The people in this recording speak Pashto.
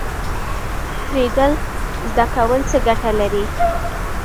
تیریدل زده کول څه ګټه لري؟